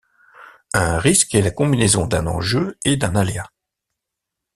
Un risque est la combinaison d'un enjeu et d'un aléa.